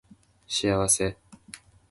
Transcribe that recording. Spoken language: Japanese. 幸せ